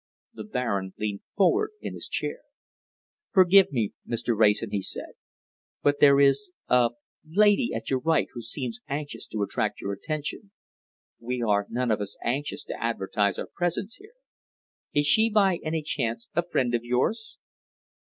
The Baron leaned forward in his chair. "Forgive me, Mr. Wrayson," he said, "but there is a lady at your right who seems anxious to attract your attention. We are none of us anxious to advertise our presence here. Is she, by any chance, a friend of yours?"